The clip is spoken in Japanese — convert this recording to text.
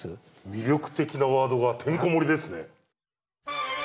魅力的なワードがてんこ盛りですね。